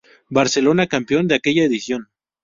Barcelona, campeón de aquella edición.